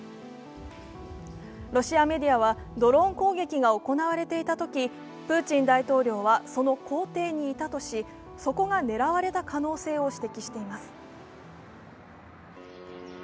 ロシアメディアはドローン攻撃が行われていたときプーチン大統領はその公邸にいたとし、そこが狙われた可能性を指摘しています。